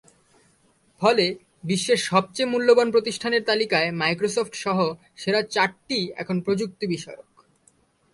ফলে বিশ্বের সবচেয়ে মূল্যবান প্রতিষ্ঠানের তালিকায় মাইক্রোসফটসহ সেরা চারটিই এখন প্রযুক্তিবিষয়ক।